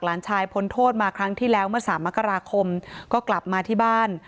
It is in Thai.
หลานชายพ้นโทษมาครั้งที่แล้วเมื่อสามมกราคมก็กลับมาที่บ้าน